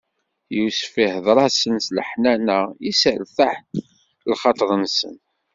Yusef ihdeṛ-asen s leḥnana, isseṛtaḥ lxaṭer-nsen.